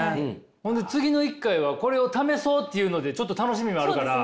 ほんで次の一回はこれを試そうというのでちょっと楽しみもあるから。